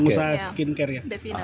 pengusaha skincare ya